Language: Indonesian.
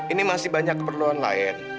ini masih banyak keperluan lain